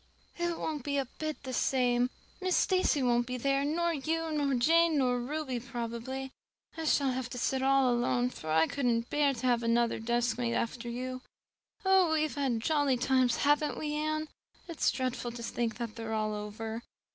"It won't be a bit the same. Miss Stacy won't be there, nor you nor Jane nor Ruby probably. I shall have to sit all alone, for I couldn't bear to have another deskmate after you. Oh, we have had jolly times, haven't we, Anne? It's dreadful to think they're all over."